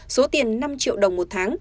số tiền năm triệu đồng một tháng